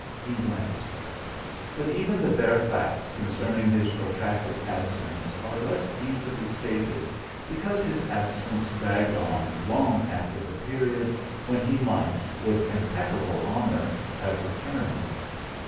He went. But even the bare facts concerning his protracted absence are less easily stated because his absence dragged on long after the period when he might, with impeccable honour, have returned.